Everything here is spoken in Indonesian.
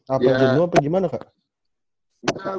apa jenuh apa gimana pak